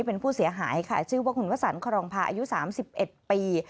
เป็นผู้เสียหายค่ะชื่อว่าคุณวสันครองพาอายุ๓๑ปี